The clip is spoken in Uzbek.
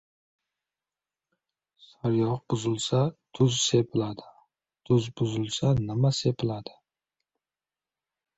• Sariyog‘ buzilsa, tuz sepiladi, tuz buzilsa, nima sepiladi?